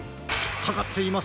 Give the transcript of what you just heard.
かかっています！